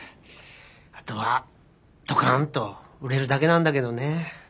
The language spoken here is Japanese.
あとはドカンと売れるだけなんだけどね。